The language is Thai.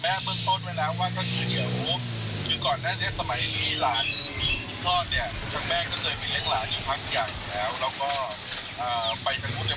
เผื่อเขายังไม่ได้งาน